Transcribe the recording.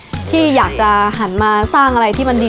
ที่เป็นวัยรุ่นที่อยากจะหันมาสร้างอะไรที่มันดี